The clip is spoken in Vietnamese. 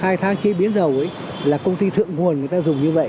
khai thác chế biến dầu ấy là công ty thượng nguồn người ta dùng như vậy